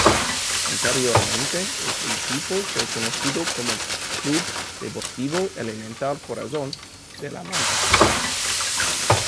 Anteriormente este equipo fue conocido como Club Deportivo Elemental Corazón de la Mancha.